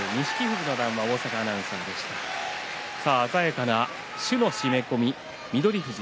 鮮やかな朱色の締め込み翠富士。